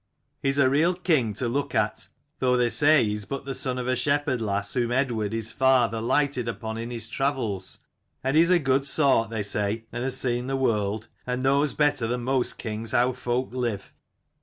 He's a real king to look at, though they say he is but the son of a shepherd lass whom Eadward his father lighted upon in his travels. And he is a good sort, they say, and has seen the world, and knows better than most kings how folk live.